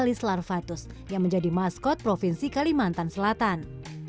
ali selarvatus yang menjadi maskot provinsi kalimantan selatan